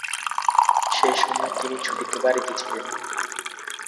সে সময়ে তিনি ছুটিতে বাড়িতে ছিলেন।